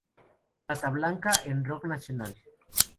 Rata Blanca en rock nacional.